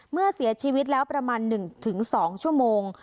เมื่อเสียชีวิตแล้วประมาณ๑๒ชั่วโมง